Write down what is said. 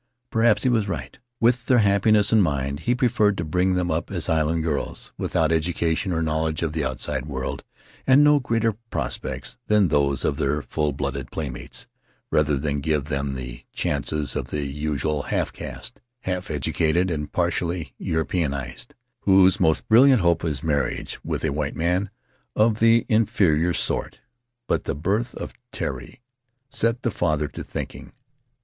Perhaps he was right. With their happiness in mind, he preferred to bring them up as island girls — without education or knowledge of the outside world and no greater pros pects than those of their full blooded playmates — rather than give them the chances of the usual half caste : half educated and partially Europeanized, whose most brilliant hope is marriage with a white man of the inferior sort. But the birth of Terii set the father to thinking.